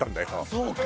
そうか！